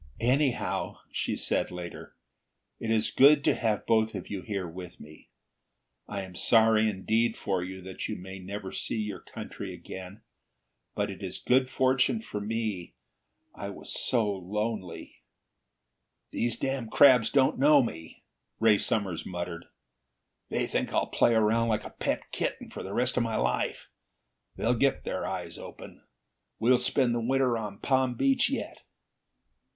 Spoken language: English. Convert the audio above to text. "Anyhow," she said later, "it is good to have both of you here with me. I am sorry indeed for you that you may never see your country again. But it is good fortune for me. I was so lonely." "These damned crabs don't know me!" Ray Summers muttered. "They think I'll play around like a pet kitten, for the rest of my life! They'll get their eyes opened. We'll spend the winter on Palm Beach yet!"